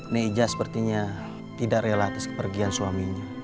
nek ijah sepertinya tidak rela atas kepergian suaminya